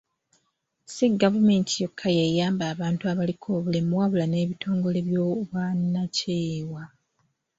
Si gavumenti yokka y'eyamba abantu abaliko obulemu wabula n'ebitongole by'obwannakyewa.